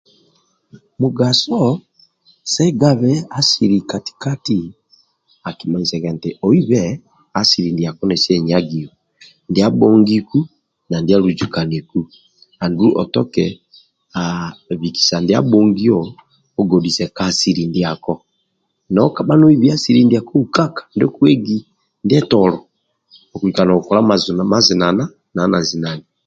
Mugaso sa egabe asili kati kati akimanyisage eti oibe asili ndiako nesi aenagio ndia abhongiku na ndia aluzukaniku andulu otoke bikisa ndia abhongio ogodjise ka asili ndiako no kabha noibi asili ndiako ndio koibi ndietolo okulika nokukola mazinana nalia nazinani